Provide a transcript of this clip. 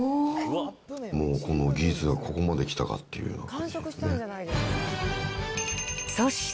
もう、この技術がここまで来たかっていう感じでね。